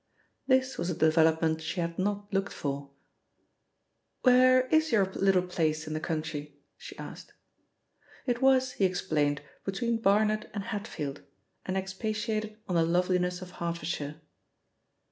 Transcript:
This was a development she had not looked for. "Where is your little place in the country?" she asked. It was, he explained, between Barnet and Hatfield, and expatiated on the loveliness of Hertfordshire.